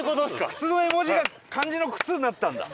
靴の絵文字が漢字の「靴」になったんだ。